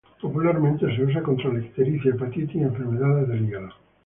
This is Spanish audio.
Popularmente se usa contra la ictericia, hepatitis y enfermedades del hígado.